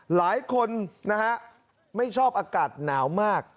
หลายคนนะฮะไม่ชอบอากาศหนาวมาก